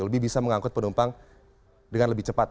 lebih bisa mengangkut penumpang dengan lebih cepat